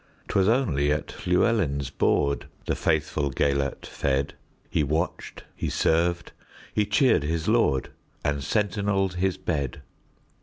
'T was only at Llewelyn's boardThe faithful Gêlert fed; He watched, he served, he cheered his lord, And sentineled his bed.